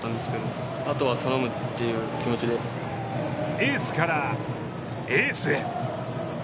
エースからエースへ。